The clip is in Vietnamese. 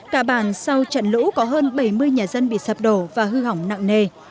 cả bản sau trận lũ có hơn bảy mươi nhà dân bị sập đổ và hư hỏng nặng nề